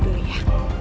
aku pergi dulu ya